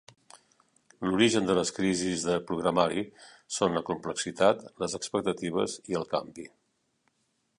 L'origen de les crisis de programari són la complexitat, les expectatives i el canvi.